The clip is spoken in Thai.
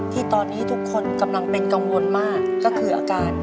ที่ตอนนี้ทุกคนกำลังเป็นกังวลมากก็คืออาการ